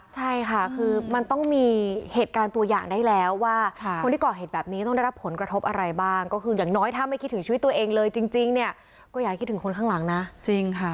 ใช่ค่ะคือมันต้องมีเหตุการณ์ตัวอย่างได้แล้วว่าคนที่ก่อเหตุแบบนี้ต้องได้รับผลกระทบอะไรบ้างก็คืออย่างน้อยถ้าไม่คิดถึงชีวิตตัวเองเลยจริงเนี่ยก็อย่าคิดถึงคนข้างหลังนะจริงค่ะ